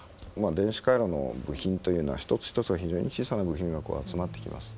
電子回路の部品というのは一つ一つが非常に小さな部品が集まってきてます。